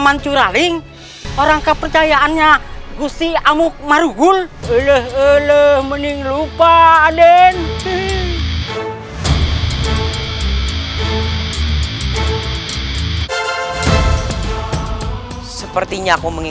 bagaimana keadaan ibu nda saat ini